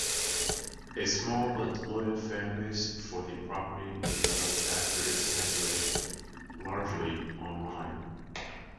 A small but loyal fanbase for the property developed after its cancellation, largely online.